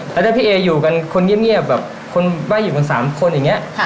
แล้วถ้าพี่เออยู่กันคนเงียบแบบคนว่าอยู่กัน๓คนอย่างนี้